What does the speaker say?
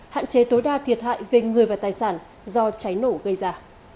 hạn chế tối đa thiệt hại về người và tài sản do cháy nổ gây ra